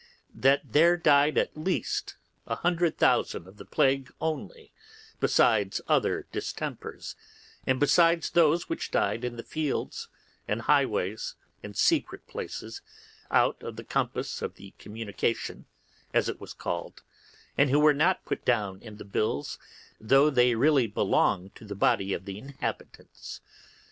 that there died at least 100,000 of the plague only, besides other distempers and besides those which died in the fields and highways and secret Places out of the compass of the communication, as it was called, and who were not put down in the bills though they really belonged to the body of the inhabitants.